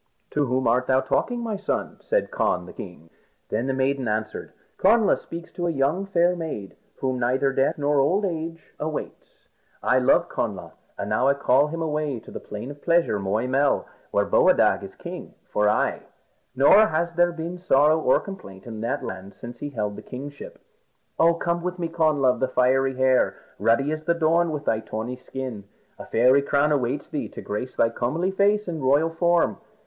"To whom art thou talking, my son?" said Conn the king. Then the maiden answered, "Connla speaks to a young, fair maid, whom neither death nor old age awaits. I love Connla, and now I call him away to the Plain of Pleasure, Moy Mell, where Boadag is king for aye, nor has there been complaint or sorrow in that land since he has held the kingship. Oh, come with me, Connla of the Fiery Hair, ruddy as the dawn with thy tawny skin. A fairy crown awaits thee to grace thy comely face and royal form.